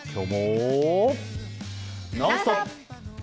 「ノンストップ！」。